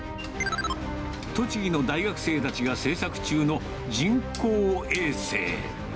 栃木の大学生たちが製作中の人工衛星。